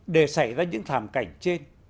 để xảy ra những thảm cảnh trên